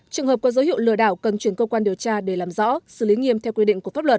trường hợp có dấu hiệu lừa đảo cần chuyển cơ quan điều tra để làm rõ xử lý nghiêm theo quy định của pháp luật